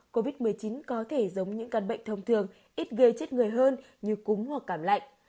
covid một mươi chín có thể giống những căn bệnh thông thường ít gây chết người hơn như cúng hoặc cảm lạnh